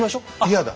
嫌だ。